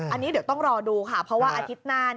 อันนี้เดี๋ยวต้องรอดูค่ะเพราะว่าอาทิตย์หน้า